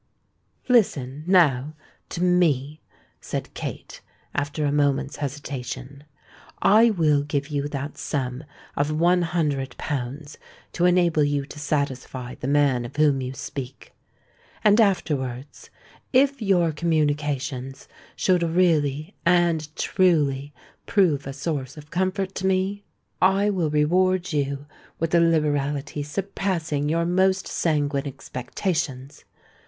"Listen, now, to me," said Kate, after a moment's hesitation. "I will give you that sum of one hundred pounds to enable you to satisfy the man of whom you speak; and, afterwards—if your communications should really and truly prove a source of comfort to me—I will reward you with a liberality surpassing your most sanguine expectations.